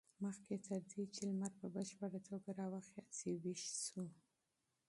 مخکې تر دې چې لمر په بشپړه توګه راوخېژي ویښ و.